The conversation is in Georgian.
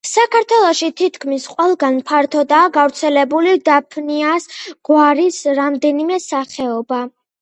საქართველოში თითქმის ყველგან ფართოდაა გავრცელებული დაფნიას გვარის რამდენიმე სახეობა.